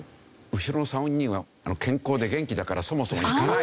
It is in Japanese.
後ろの３人は健康で元気だからそもそも行かないんじゃ。